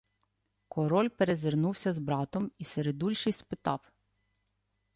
Король перезирнувся з братом, і середульший спитав: